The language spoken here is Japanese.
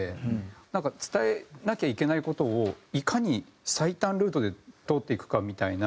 なんか伝えなきゃいけない事をいかに最短ルートで通っていくかみたいな。